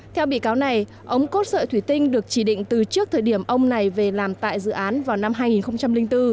theo bị cáo này ống cốt sợi thủy tinh được chỉ định từ trước thời điểm ông này về làm tại dự án vào năm hai nghìn bốn